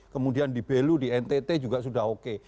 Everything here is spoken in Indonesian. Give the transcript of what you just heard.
kemudian di belu di ntt juga sudah oke